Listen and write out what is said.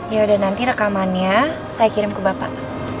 yaudah nanti rekamannya saya kirim ke bapak